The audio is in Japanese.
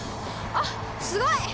あっすごい！